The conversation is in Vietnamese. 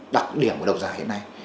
đặc điểm của độc giải hiện nay